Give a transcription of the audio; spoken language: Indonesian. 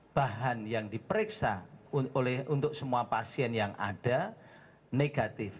bahan yang diperiksa untuk semua pasien yang ada negatif